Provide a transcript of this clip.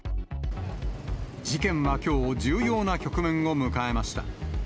事件はきょう、重要な局面を迎えました。